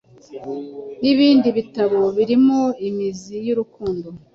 n’ibindi bitabo birimo Imizi y’urukundo